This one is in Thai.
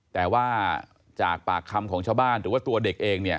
แต่ว่าจากปากคำของชาวบ้านหรือว่าตัวเด็กเองเนี่ย